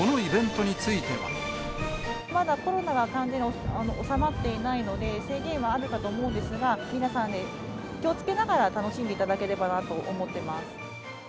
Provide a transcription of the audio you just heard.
まだコロナが完全に収まっていないので、制限はあるかと思うんですが、皆さんで気をつけながら、楽しんでいただければなと思っています。